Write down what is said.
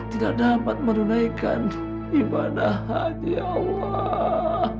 tidak dapat menunaikan imanahat ya allah